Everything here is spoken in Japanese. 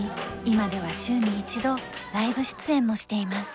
今では週に１度ライブ出演もしています。